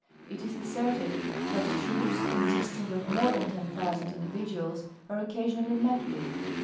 It is asserted that troops con sisting of more than ten thousand individuals aie occasionally met with.